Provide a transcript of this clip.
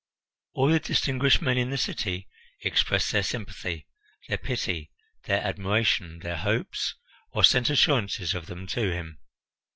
All the distinguished men in the city expressed their sympathy, their pity, their admiration, their hopes, or sent assurances of them to him.